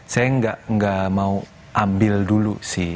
saya nggak mau ambil dulu sih